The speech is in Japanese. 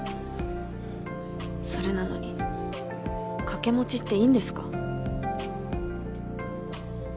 それなのに掛け持ちっていいんですか？